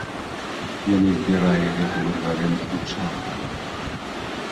Яны збіралі гэты маргарын у чаны.